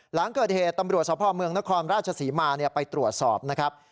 หลังเกิดเหตุตำรวจสพเมืองนครราชศรีมาไปตรวจสอบนะครับ